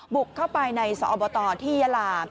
บุกเข้าไปในสอบตที่ยาลา